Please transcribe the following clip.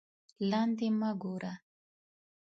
لاندې مه گوره